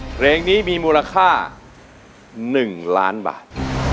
เพลงนี้มีมูลค่า๑ล้านบาท